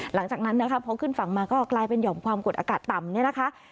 หลังจากนั้นพอขึ้นฝั่งมาก็กลายเป็นหย่อมความกดอากาศต่ำ